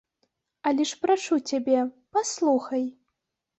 Але ж прашу цябе, паслухай.